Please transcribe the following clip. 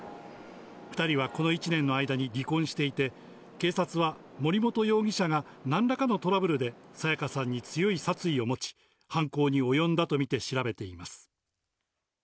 ２人はこの１年の間に離婚していて警察は、森本容疑者が何らかのトラブルで彩加さんに強い殺意を持ち犯行に及んだとみて調べています。